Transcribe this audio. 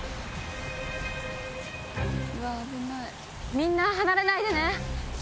みんな離れないでね。